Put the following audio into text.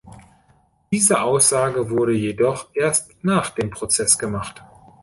Diese Aussage wurde jedoch erst nach dem Prozess gemacht.